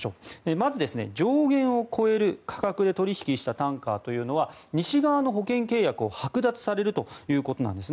まず、上限を超える価格で取引したタンカーは西側の保険契約をはく奪されるということなんです。